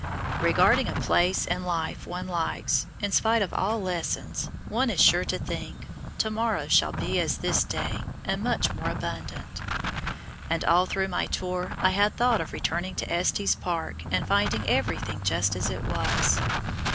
Regarding a place and life one likes (in spite of all lessons) one is sure to think, "To morrow shall be as this day, and much more abundant"; and all through my tour I had thought of returning to Estes Park and finding everything just as it was.